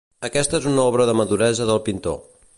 Aquesta és una obra de maduresa del pintor.